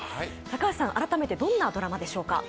高橋さん、改めてどんなドラマでしょうか？